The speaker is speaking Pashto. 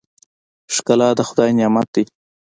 ښکلا د خدای نعمت دی.